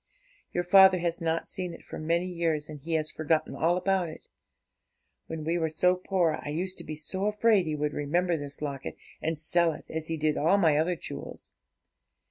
Your father has not seen it for many years, and he has forgotten all about it. When we were so poor, I used to be so afraid he would remember this locket and sell it, as he did all my other jewels.